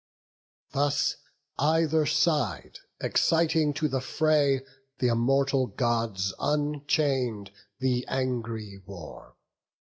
Thus, either side exciting to the fray, Th' immortal Gods unchain'd the angry war.